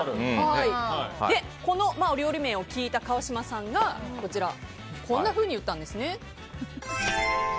この料理名を聞いた川島さんがこんなふうに言ったんです。